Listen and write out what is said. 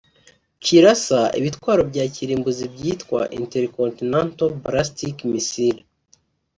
cyirasa ibitwaro bya kirimbuzi byitwa Intercontinental ballistic missiles